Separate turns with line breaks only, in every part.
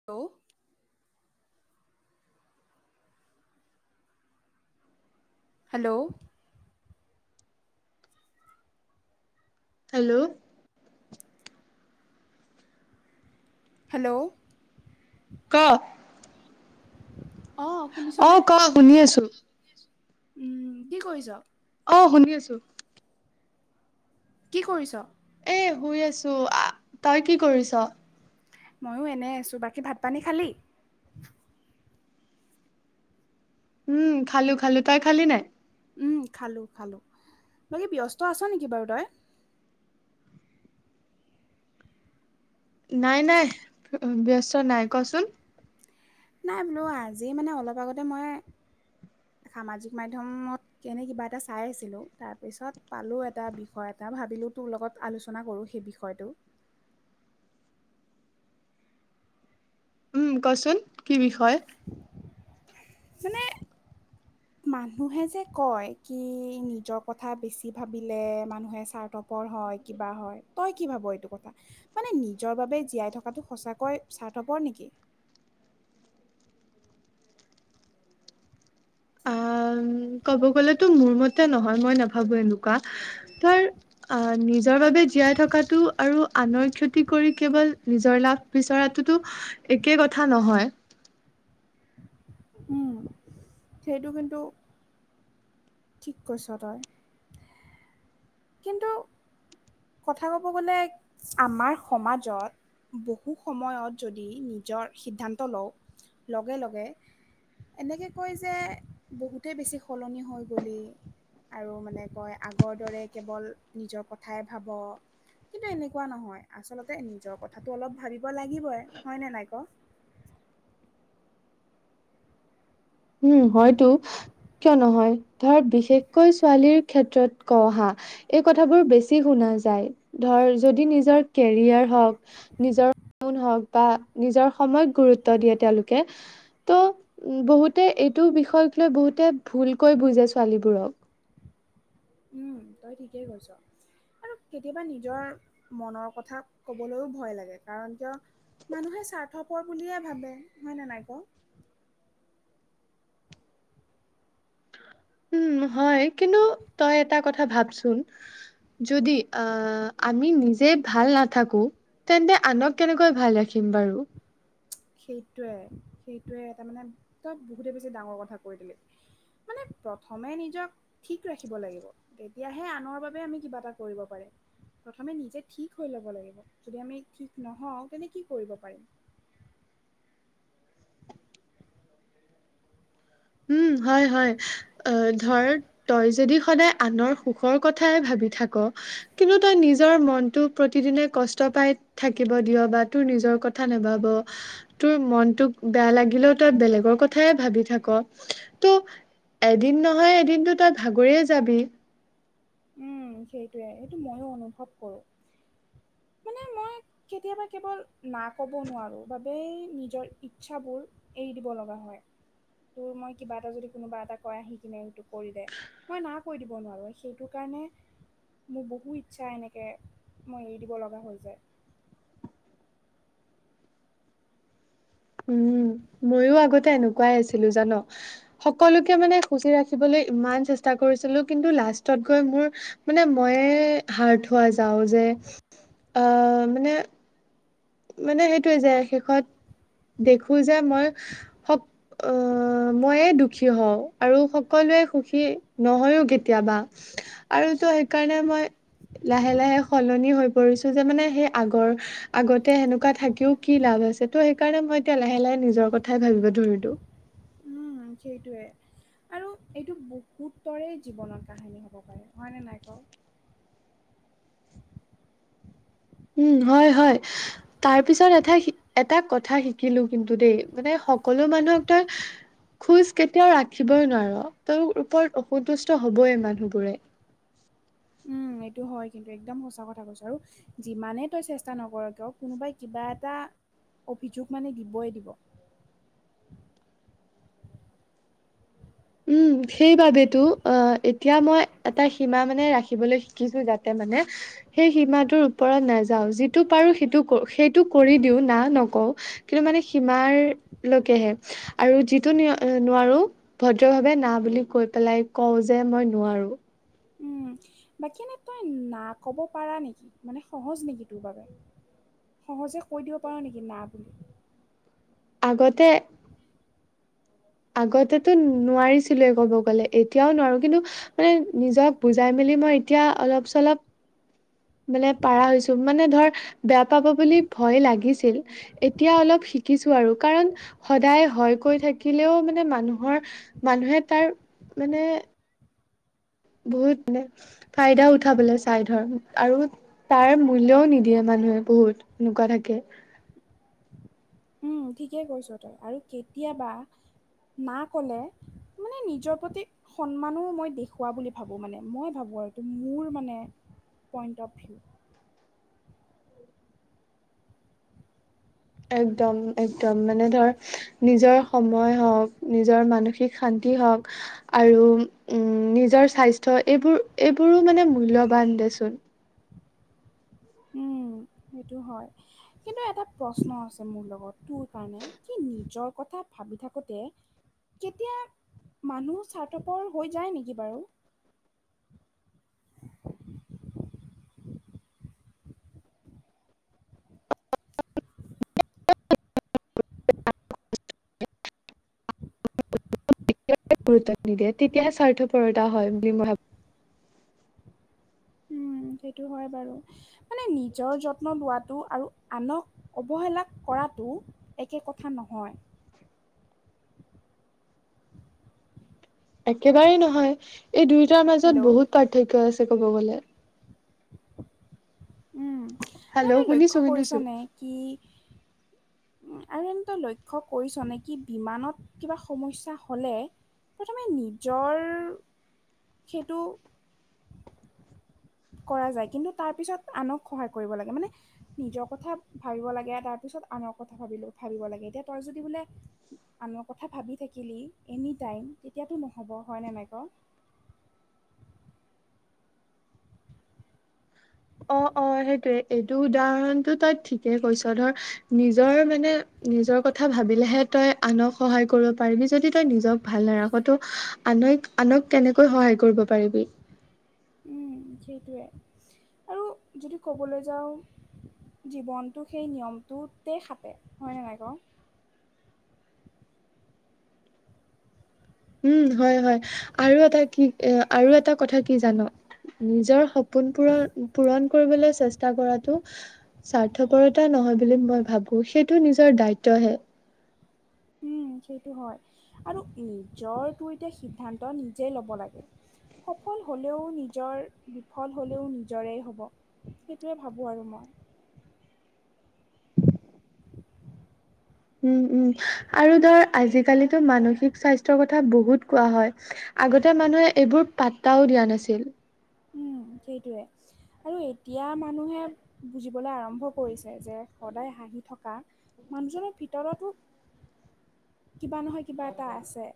[unintelligible] Hello.
Hello.
Hello.
ক
অ'
অ
শুনিছনে
ক শুনি আছো
উম' কি কৰিছ?
অ' শুনি আছো
কি কৰিছ?
এ শুই আছো তই কি কৰিছ?
ময়ো এনে আছো বাকী ভাত পানী খালি?
উম খালো খালো তই খালি নাই?
উম খালো খালো বাকী ব্যস্ত আছ নেকি বাৰু তই?
নাই নাই। ব্যস্ত নাই কচোন
নাই বোলো আজি মানে অলপ আগতে মই সামাজিক মাধ্যমত এনে কিবা এটা চাই আছিলো তাৰ পিছত পালো এটা বিষয় এটা ভাবিলো তোৰ লগত আলোচনা কৰোঁ সেই বিষয়টো।
উম কচোন কি বিষয়?
মানে মানুহে যে কয় কি নিজৰ কথা বেছি ভাবিলে মানুহে স্বাৰ্থপৰ হয় কিবা হয় তই কি ভাব এইটো কথা? মানে নিজৰ বাবে জীয়াই থকাটো সঁচাকৈ স্বাৰ্থপৰ নেকি?
আহ ক'ব গ'লেতো মোৰ মতে নহয় মই নাভাবো এনেকুৱা, ধৰ অ' নিজৰ বাবে জীয়াই থকাটো আৰু আনৰ ক্ষতি কি কৰি কেৱল নিজৰ লাভ বিচৰাটোতো একে কথা নহয়।
উম, সেইটো কিন্তু, ঠিক কৈছোঁ তই। কিন্তু কথা ক'ব গ'লে, আমাৰ সমাজত বহু সময়ত যদি নিজৰ সিদ্ধান্ত লওঁ, লগে লগে এনেকে কয় যে বহুতেই বেছি সলনি হৈ গ'লি। আৰু মানে কয় আগৰ দৰে কেৱল নিজৰ কথাই ভাব। কিন্তু এনেকুৱা নহয় আচলতে নিজৰ কথাটো অলপ ভাবিব লাগিবই হয়নে নাই ক'।
উম, হয়তো কিয় নহয় ধৰ বিশেষকৈ ছোৱালীৰ ক্ষেত্ৰত কওঁ হা এই কথাবোৰ বেছি শুনা যায় ধৰ যদি নিজৰ কেৰিয়াৰ হওঁক নিজৰ [inaudible] হওঁক বা নিজৰ সময়ক গুৰুত্ব দিয়ে তেওঁলোকে ত' উম, বহুতে এইটো বিষয়ক লৈ বহুতে ভুলকৈ বুজে ছোৱালীবোৰক।
উম, তই ঠিকেই কৈছোঁ। আৰু কেতিয়াবা নিজৰ মনৰ কথা ক'বলৈও ভয় লাগে কাৰণ কিয় মানুহে স্বাৰ্থপৰ বুলিয়ে ভাবে হয়নে নাই ক'।
উম, হয় কিন্তু তই এটা কথা ভাবচোন। যদি অ' আমি নিজে ভাল নাথাকোঁ। তেন্তে আনক কেনেকৈ ভাল ৰাখিম বাৰু।
সেইটোৱে সেইটোৱে এটা মানে তই বহুতে বেছি ডাঙৰ কথা কৈ দিলি। মানে প্ৰথমে নিজক ঠিক ৰাখিব লাগিব, তেতিয়াহে আনৰ বাবে আমি কিবা এটা কৰিব পাৰিম। প্ৰথমে নিজে ঠিক হৈ ল'ব লাগিব, যদি আমি ঠিক নহওঁ তেন্তে কি কৰিব পাৰিম।
উম, হয় হয়। অ' ধৰ তই যদি সদায় আনৰ সুখৰ কথাই ভাবি থাকোঁ কিন্তু তই নিজৰ মনটো প্ৰতিদিনে কষ্ট পাই থাকিব দিয় বা তোৰ নিজৰ কথা নাভাবো তোৰ মনটোক বেয়া লাগিলেও তই বেলেগৰ কথাই ভাবি থাকোঁ। ত' এদিন নহয় এদিনতো তই ভাগৰিয়ে যাবি।
উম, সেইটোয়ে সেইটো ময়ো অনুভৱ কৰোঁ। মানে মই কেতিয়াবা কেৱল না ক'ব নোৱাৰোঁ বাবেই নিজৰ ইচ্ছাবোৰ এৰি দিব লগা হয়। তোৰ মই কিবা এটা যদি কোনোবা এটা কয় আহি কিনে এইটো কৰি দে, মই না কৈ দিব নোৱাৰোঁ। সেইটো কাৰণে মোৰ বহু ইচ্ছা এনেকৈ মই এৰি দিব লগা হৈ যায়।
উম, ময়ো আগতে এনেকুৱাই আছিলোঁ জানো। সকলোকে মানে সুচি ৰাখিবলৈ ইমান চেষ্টা কৰিছিলোঁ কিন্তু লাষ্টত গৈ মোৰ মানে ময়ে হাৰ্ট হোৱা যাওঁ যে, অ' মানে মানে সেইটোৱে যে শেষত, দেখোঁ যে মই সক অ' ময়ে দুখী হওঁ আৰু সকলোৱে সুখী নহয়ও কেতিয়াবা। আৰু তোৰ সেইকাৰণে মই লাহে লাহে সলনি হৈ পৰিছোঁ যে মানে সেই আগৰ আগত [unintelligible] সেনেকুৱা থাকিও কি লাভ আছে ত' সেইকাৰণে মই এতিয়া লাহে লাহে নিজৰ কথাই ভাবিব ধৰিলোঁ।
উম, সেইটোৱে। আৰু এইটো বহুতৰেই জীৱনত কাহিনী হ'ব পাৰে হয়নে নাই ক'।
উম, হয় হয়। তাৰ পিছত এটা এটা কথা শিকিলোঁ কিন্তু দেই, মানে সকলো মানুহক তই খুজ কেতিয়াও ৰাখিবই নোৱাৰ তোৰ ওপৰত অসন্তুষ্ট হ'বই মানুহবোৰে।
উম, এইটো হয় কিন্তু একদম সঁচা কথা কৈছোঁ আৰু যিমানেই তই চেষ্টা নকৰ কিয় কোনোবাই কিবা এটা অভিযোগ মানে দিবই দিব।
উম সেইবাবেইতো অ' এতিয়া মই এটা সীমা মানে ৰাখিবলৈ শিকিছো। যাতে মানে সেই সীমাটোৰ ওপৰত নাযাওঁ, যিটো পাৰো সেইটো সেইটো কৰি দিওঁ না নকওঁ। কিন্তু মানে সীমাৰ লৈকেহে আৰু যিটো নোৱাৰো ভদ্ৰভাৱে না বুলি কৈ পেলাই কওঁ যে মই নোৱাৰোঁ।
উম বাকী এনেই তই না ক'ব পাৰা নেকি মানে সহজ নেকি তোৰ বাবে? সহজে কৈ দিব পাৰোঁ নেকি না বুলি?
আগতে আগতেতো নোৱাৰিছিলোয়ে, ক'ব গ'লে এতিয়াও নোৱাৰো কিন্তু মানে নিজক বুজাই মেলি মই এতিয়া অলপ চলপ মানে পাৰা হৈছো মানে ধৰ বেয়া পাব বুলি ভয় লাগিছিল এতিয়া অলপ শিকিছো আৰু, কাৰণ সদায় হয় কৈ থাকিলেও মানে মানুহৰ মানুহে তাৰ মানে বহুত মানে ফাইদা উঠাবলৈ চাই, ধৰ আৰু তাৰ মূল্যও নিদিয়ে মানুহে বহুত এনেকুৱা থাকে।
উম ঠিকে কৈছ তই। আৰু কেতিয়াবা না ক'লে মানে নিজৰ প্ৰতি সন্মানো মই দেখুওৱা বুলি ভাবো, মানে মই ভাবো আৰু এইটো মোৰ মানে পইণ্ট অফ ভিউ
একদম একদম মানে ধৰ নিজৰ সময় হওঁক নিজৰ মানসিক শান্তি হওঁক আৰু উম নিজৰ স্বাস্থ্য এইবোৰ এইবোৰো মানে মূল্যবান দেচোন
উম, সেইটো হয়। কিন্তু এটা প্ৰশ্ন আছে মোৰ লগত তোৰ কাৰণে কি নিজৰ কথা ভাবি থাকোতে কেতিয়া মানুহ স্বাৰ্থপৰ হৈ যায় নেকি বাৰু? হয় [inaudible]
গুৰুত্ব নিদিয়ে তেতিয়াহে স্বাৰ্থপৰতা হয় বুলি মই ভাবো।
উম সেইটো হয় বাৰু। মানে নিজৰ যত্ন লোৱাটো আৰু আনক অৱহেলা কৰাটো একে কথা নহয়।
একেবাৰেই নহয়, এই দুয়োটাৰ
হেল্ল'
মাজত বহুত পাৰ্থক্য আছে ক'ব গ'লে
উম আৰু
হেল্ল'
তই
শুনিছো
লক্ষ্য
শুনিছো
কৰিছনে কি আৰু এনে তই লক্ষ্য কৰিছনে কি বিমানত কিবা সমস্যা হ'লে প্ৰথমে নিজৰ, সেইটো কৰা যায়। কিন্তু তাৰ পিছত আনক সহায় কৰিব লাগে মানে নিজৰ কথা ভাবিব লাগে তাৰ পিছত আনৰ কথা ভাবিলো ভাবিব লাগে। এতিয়া তই যদি বোলে আনৰ কথা ভাবি থাকিলি এনি টাইম তেতিয়াতো নহ'ব, হয়নে নাই ক?
অ' অ ' সেইটোৱে, এইটো উদাহৰণটো তই ঠিকেই কৈছ, ধৰ নিজৰ মানে নিজৰ কথা ভাবিলেহে তই আনক সহায় কৰিব পাৰিবি। যদি দি তই নিজক ভাল নাৰাখ তো আন আনক কেনেকৈ সহায় কৰিব পাৰিবি।
উম' সেইটোৱে, আৰু যদি ক'বলৈ যাওঁ জীৱনটো সেই নিয়মটোতেই খাটে হয়নে নাই ক?
উম' হয় হয় আৰু এটা কি এ আৰু এটা কথা কি জান নিজৰ সপোন পূৰণ পূৰণ কৰিবলৈ চেষ্টা কৰাটো স্বাৰ্থপৰতা নহয় বুলি মই ভাবো, সেইটো নিজৰ দায়িত্বহে।
উম, সেইটো হয় আৰু নিজৰটো এতিয়া সিদ্ধান্ত নিজেই ল'ব লাগে। সফল হ'লেও নিজৰ বিফল হ'লেও নিজৰেই হ'ব। সেইটোৱে ভাবোঁ আৰু মই।
উম', উম', আৰু ধৰ আজিকালিতো মানসিক স্বাস্থ্যৰ কথা বহুত কোৱা হয়। আগতে মানুহে এইবোৰ পাত্তাও দিয়া নাছিল।
উম, সেইটোৱে। আৰু এতিয়া মানুহে বুজিবলৈ আৰম্ভ কৰিছে যে সদায় হাঁহি থকা মানুহজনৰ ভিতৰতো, কিবা নহয় কিবা এটা আছে।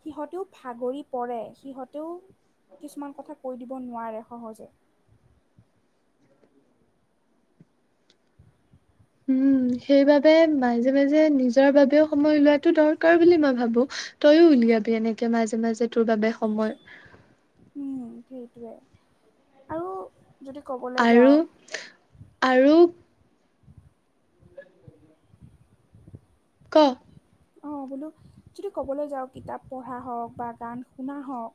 সিহঁতেও ভাগৰি পৰে সিহঁতেও কিছুমান কথা কৈ দিব নোৱাৰে সহজে।
উম, সেইবাবে মাজে মাজে নিজৰ বাবেও সময় উলোৱাটো দৰ দৰকাৰ বুলি মই ভাবো তইয়ো উলিয়াবি এনেকে মাজে মাজে তোৰ বাবে সময়।
উম, সেইটোৱে, আৰু যদি ক'ব
আৰু, আৰু ক'।
অ', বোলো যদি ক'বলৈ যাওঁ কিতাপ পঢ়া হওঁক বা গান শুনা হওঁক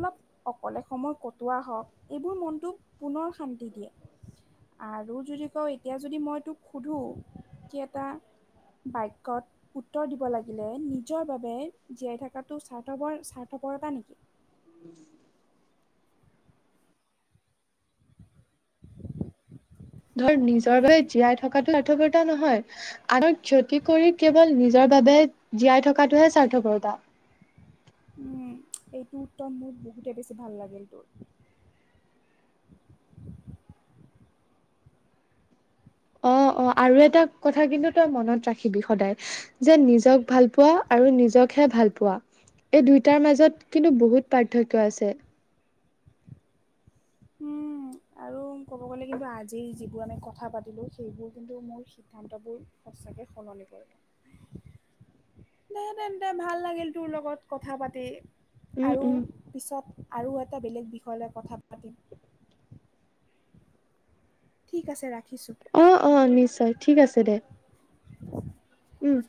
অলপ অকলে সময় কটোৱা হওঁক এইবোৰ মনটোক পুনৰ শান্তি দিয়ে। আৰু যদি কওঁ এতিয়া যদি মই তোক সোধো কি এটা বাক্যত উত্তৰ দিব লাগিলে নিজৰ বাবে জীয়াই থকাটো স্বাৰ্থপৰ স্বাৰ্থপৰতা নেকি?
ধৰ নিজৰ বাবে জীয়াই থকাটো স্বাৰ্থপৰতা নহয়। আনক ক্ষতি কৰি কেৱল নিজৰ বাবে জীয়াই থকাটোহে স্বাৰ্থপৰতা।
উম' এইটো উত্তৰ মোৰ বহুতে বেছি ভাল লাগিল তোৰ।
অ', অ', আৰু এটা কথা কিন্তু তই মনত ৰাখিবি সদায়। যে নিজক ভাল পোৱা আৰু নিজকহে ভাল পোৱা। এই দুইটাৰ মাজত কিন্তু বহুত পাৰ্থক্য আছে।
উম। আৰু ক'ব গ'লে কিন্তু আজিৰ যিবোৰ আমি কথা পাতিলো সেইবোৰ কিন্তু মোৰ সিদ্ধান্তবোৰ সঁচাকৈ সলনি কৰিব। দে তেন্তে ভাল লাগিল তোৰ লগত কথা পাতি।
উম,
আৰু
উম,
পিছত আৰু এটা বেলেগ বিষয় লৈ কথা পাতিম। ঠিক আছে ৰাখিছোঁ।
অ', অ', নিশ্চয় ঠিক আছে দে। উম।